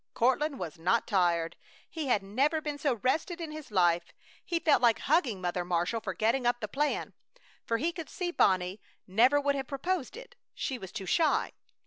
Courtland was not tired. He had never been so rested in his life. He felt like hugging Mother Marshall for getting up the plan, for he could see Bonnie never would have proposed it, she was too shy.